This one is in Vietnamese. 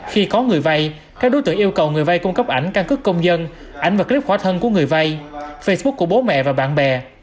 khi có người vay các đối tượng yêu cầu người vay cung cấp ảnh căn cứ công dân ảnh và clip khỏa thân của người vay facebook của bố mẹ và bạn bè